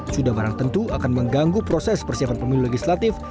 sudah barang tentu akan mengganggu proses persiapan pemilu legislatif